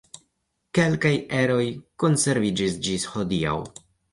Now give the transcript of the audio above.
Kelkaj eroj konserviĝis ĝis hodiaŭ.